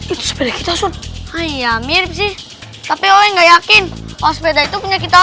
itu sepeda kita suruh hai ya mir sih tapi orang nggak yakin oh sepeda itu punya kita